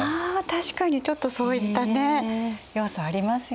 確かにちょっとそういったね要素ありますよね。